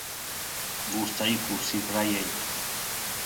gustayku sifryay